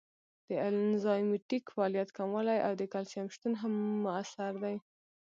د انزایمټیک فعالیت کموالی او د کلسیم شتون هم مؤثر دی.